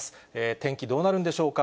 天気、どうなるんでしょうか。